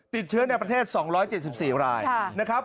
ติดเชื้อในประเทศ๒๗๔รายนะครับ